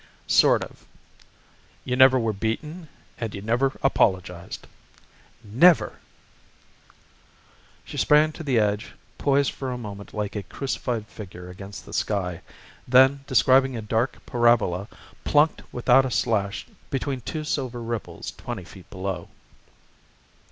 "Sort of. You never were beaten and you never apologized." "Never!" She sprang to the edge, poised for a moment like a crucified figure against the sky; then describing a dark parabola plunked without a slash between two silver ripples twenty feet below.